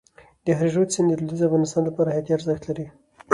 د هریرود سیند د لوېدیځ افغانستان لپاره حیاتي ارزښت لري.